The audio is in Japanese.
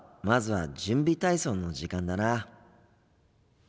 まずは準備体操の時間だな。